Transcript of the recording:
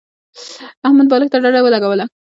احمد بالښت ته ډډه ولګوله.